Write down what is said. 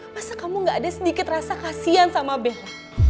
masa kamu gak ada sedikit rasa kasihan sama bella